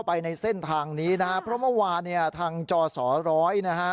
เพราะว่าทางจ่อสรร้อยนะคะ